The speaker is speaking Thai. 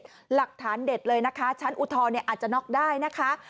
หลักฐานเด็ดเลยนะคะชั้นอุทธรณ์อาจจะน็อกได้นะคะ